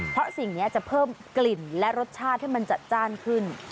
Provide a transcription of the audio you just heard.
เพราะสิ่งนี้จะเพิ่มกลิ่นและรสชาติให้มันจัดจ้านขึ้น